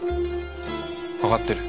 分かってる。